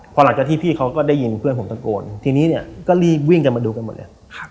พอหลังจากที่พี่เขาก็ได้ยินเพื่อนผมตะโกนทีนี้เนี่ยก็รีบวิ่งกันมาดูกันหมดเลย